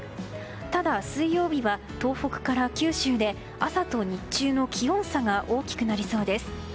ただ、水曜日は東北から九州で朝と日中の気温差が大きくなりそうです。